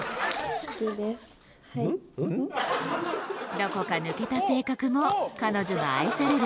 どこか抜けた性格も彼女が愛される